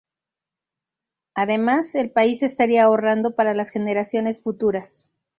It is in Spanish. Además, el país estaría ahorrando para las generaciones futuras.